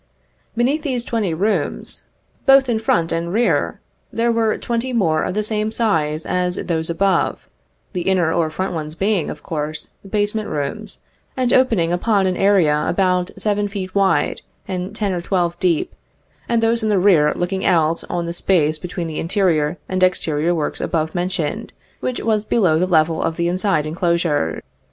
Beneath these twenty rooms, both in front 54 and rear, there were twenty more of the same size as those above, the inner or front ones being, of course, base ment rooms, and opening upon an area about seven feet wide and ten or twelve deep, and those in the rear looking out on the space between the interior and exterior works above mentioned, which was below the level of the in side enclosure.